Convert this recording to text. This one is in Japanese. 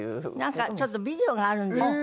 なんかちょっとビデオがあるんだって。